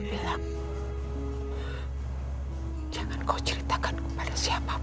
kamu gak ada apa apa sama rambok ya kan